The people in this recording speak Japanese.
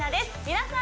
皆さん